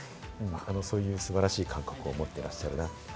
そういう素晴らしい感覚を思ってらっしゃるなと。